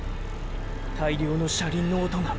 大量の車輪の音が。